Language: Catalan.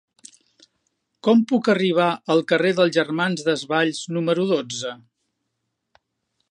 Com puc arribar al carrer dels Germans Desvalls número dotze?